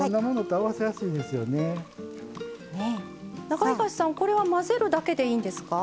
中東さんこれは混ぜるだけでいいんですか？